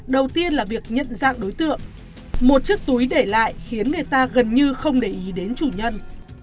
đầu tiên là việc nhận dạng đối tượng một chiếc túi để lại khiến người ta gần như không để ý đến chủ nhân